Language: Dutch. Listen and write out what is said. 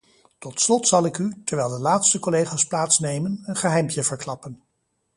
Tot slot zal ik u, terwijl de laatste collega's plaatsnemen, een geheimpje verklappen.